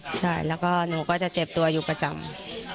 ใช่แล้วก็หนูก็จะเจ็บตัวอยู่ประจำ